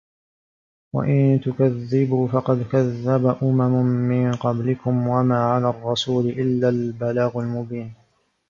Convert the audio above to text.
وَإِن تُكَذِّبوا فَقَد كَذَّبَ أُمَمٌ مِن قَبلِكُم وَما عَلَى الرَّسولِ إِلَّا البَلاغُ المُبينُ